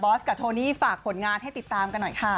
สกับโทนี่ฝากผลงานให้ติดตามกันหน่อยค่ะ